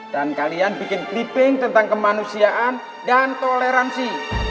dan kalian bikin clipping tentang kemanusiaan dan toleransi